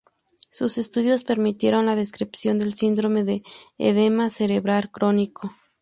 Sus estudios permitieron la descripción del síndrome de edema cerebral crónico.